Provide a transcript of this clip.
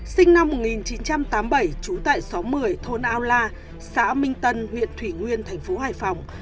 sinh năm một nghìn chín trăm tám mươi bảy trú tại sáu mươi thôn aola xã minh tân huyện thủy nguyên tp hải phòng